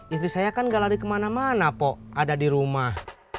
istri saya kan gak lari kemana mana po ada di rumah